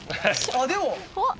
あっでも。